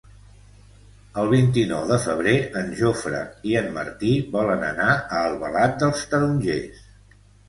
El vint-i-nou de febrer en Jofre i en Martí volen anar a Albalat dels Tarongers.